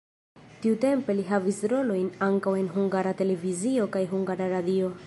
Tiutempe li havis rolojn ankaŭ en Hungara Televizio kaj Hungara Radio.